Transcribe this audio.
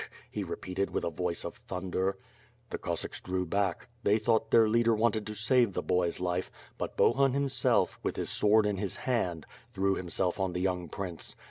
he repeated with a voice of thunder. The Cossacks drew back. They thought their leader wantod to save the boy's life, but Bohun himself, with his sword in his hand, threw himself on the youn^ prince.